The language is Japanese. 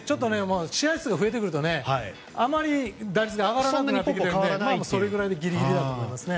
試合数が増えるとあまり打率が上がらなくなるのでそれぐらいでギリギリだと思いますね。